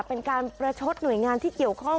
เป็นการประชดหน่วยงานที่เกี่ยวข้อง